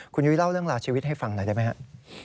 คุณยุ้ยเล่าเรื่องราวชีวิตให้ฟังหน่อยได้ไหมครับ